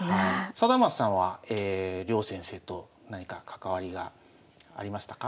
貞升さんは両先生と何か関わりがありましたか？